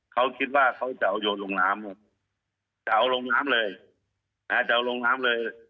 เขาคิดว่าเขาจะเอาโยนลงน้ำครับจะเอาลงน้ำเลยจะเอาลงน้ำเลย